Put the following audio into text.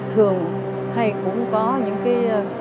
thường hay cũng có những cái